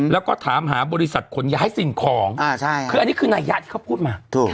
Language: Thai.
แล้วก็ถามหาบริษัทขนย้ายสิ่งของคืออันนี้คือนัยยะที่เขาพูดมาถูก